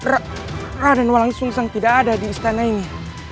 raden walang sungseng tidak ada di istana ini